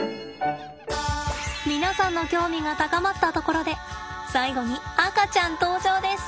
皆さんの興味が高まったところで最後に赤ちゃん登場です。